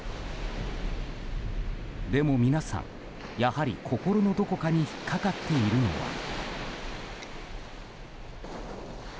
でも、皆さんやはり心のどこかに引っかかっているのは。